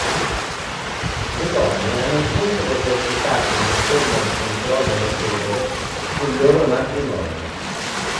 Le donne hanno sempre esercitato una forma di controllo notevole sul loro matrimonio.